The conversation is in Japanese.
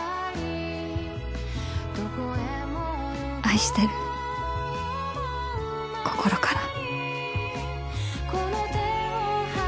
愛してる心から